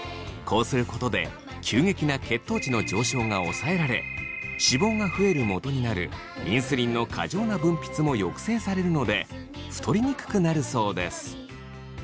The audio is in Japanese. こうすることで急激な血糖値の上昇が抑えられ脂肪が増えるもとになるインスリンの過剰な分泌も抑制されるので太りにくくなるそうです。